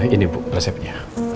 ini bu resepnya